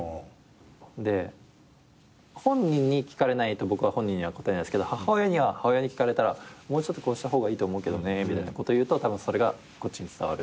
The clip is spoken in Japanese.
で本人に聞かれないと僕は本人には答えないんですけど母親には母親に聞かれたらもうちょっとこうした方がいいと思うみたいなこと言うとたぶんそれがこっちに伝わる。